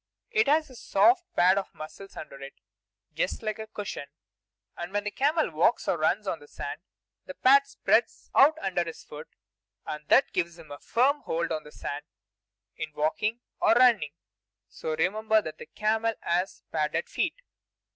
It has a soft pad of muscles under it, just like a cushion; and when the camel walks or runs on the sand, the pad spreads out under his foot, and that gives him a firm hold on the sand in walking or running. So remember that the camel has padded feet.